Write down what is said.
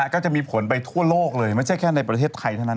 ก็จะมีผลไปทั่วโลกเลยไม่ใช่แค่ในประเทศไทยเท่านั้น